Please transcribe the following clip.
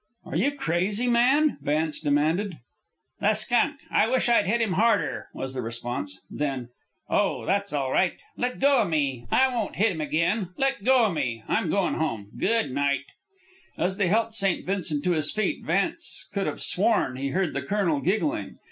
"Are you crazy, man?" Vance demanded. "The skunk! I wish I'd hit 'm harder!" was the response. Then, "Oh, that's all right. Let go o' me. I won't hit 'm again. Let go o' me, I'm goin' home. Good night." As they helped St. Vincent to his feet, Vance could have sworn he heard the colonel giggling.